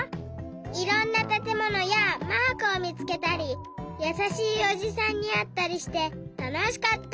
いろんなたてものやマークをみつけたりやさしいおじさんにあったりしてたのしかった！